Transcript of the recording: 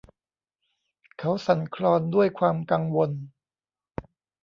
เขาสั่นคลอนด้วยความกังวล